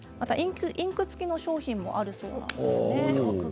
インク付きの商品もあるそうです。